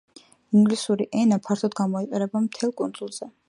ინგლისური ენა ფართოდ გამოიყენება მთელ კუნძულზე.